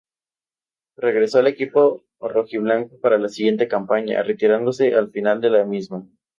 Regresó al equipo rojiblanco para la siguiente campaña, retirándose al final de la misma.